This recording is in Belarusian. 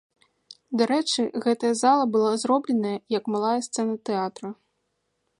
Дарэчы, гэтая зала была зробленая, як малая сцэна тэатра.